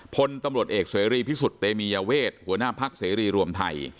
พลตำรวจเอกเสรีพิสุทธิ์เตมียเวทหัวหน้าพักเสรีรวมไทย